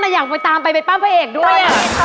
ยังตามไปเป็นปั้มเพเหกด้วย